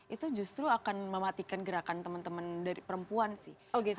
itu justru akan mematikan gerakan teman teman dari perempuan sih